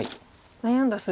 悩んだ末。